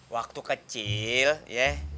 waktu kecil ya